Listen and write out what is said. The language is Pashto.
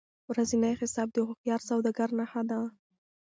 ورځنی حساب د هوښیار سوداګر نښه ده.